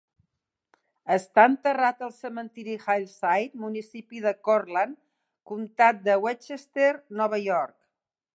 Està enterrat al cementiri Hillside, municipi de Cortlandt, comtat de Westchester, Nova York.